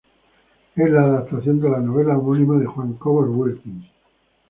Es la adaptación de la novela homónima de Juan Cobos Wilkins.